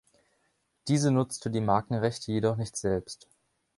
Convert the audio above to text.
Diese nutzte die Markenrechte jedoch nicht selbst.